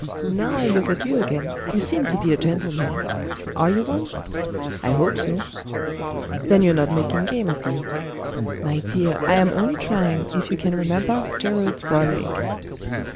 "Now I look at you again, you seem to be a gentleman. Are you one?" "I hope so." "Then you're not making game of me?" "My dear, I am only trying if you can remember Gerard Roylake."